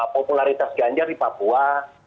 popularitas gajar di papua